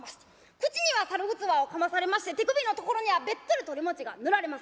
口には猿ぐつわをかまされまして手首のところにはベットリ鳥もちが塗られます。